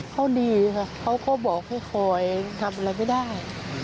เขาดีค่ะเขาก็บอกให้คอยทำอะไรไม่ได้